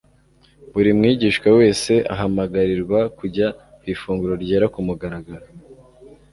Buri mwigishwa wese ahamagarirwa kujya ku ifunguro ryera ku mugaragaro